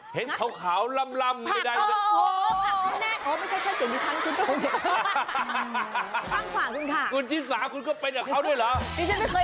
ผักป่าวไงโอ้โหภักแน่นเหมือนกันฮ่า